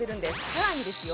さらにですよ